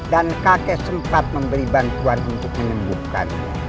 dan kakek sempat memberi bantuan untuk menembukkannya